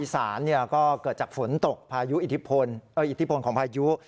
สานก็เกิดจากฝนตกพายุอิทธิพลของพายุ